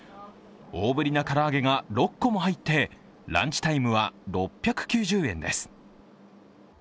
大ぶりな唐揚げが６個も入って、ランチタイムは６９０円です。